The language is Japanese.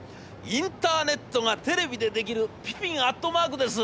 インターネットがテレビでできるピピンアットマークです！』。